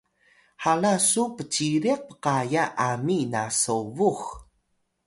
hala su pciriq pqaya ami na sobux